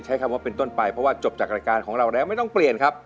ใช้คำว่าเป็นต้นไปเพราะว่าจบจากรายการของเราแล้วไม่ต้องเปลี่ยนครับ